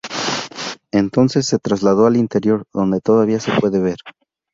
Entonces, se trasladó al interior, donde todavía se puede ver.